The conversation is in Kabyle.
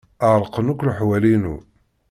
Ɛerqen akk leḥwal-inu.